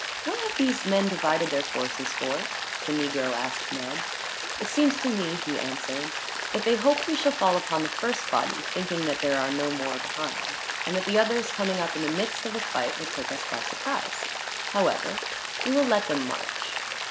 "What have these men divided their forces for?" the negro asked Ned. "It seems to me," he answered, "that they hope we shall fall upon the first body, thinking that there are no more behind; and that the others, coming up in the midst of the fight, will take us by surprise. However, we will let them march.